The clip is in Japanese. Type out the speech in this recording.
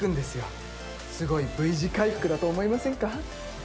すごいＶ字回復だと思いませんか？